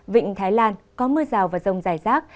vịnh thái lan có mưa rào và rông rải rác